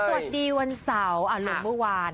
สวัสดีวันเสาร์ลงเมื่อวาน